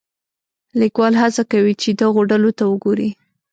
لیکوال هڅه کوي چې دغو ډلو ته وګوري.